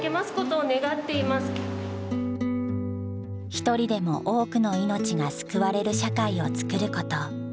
一人でも多くの命が救われる社会をつくること。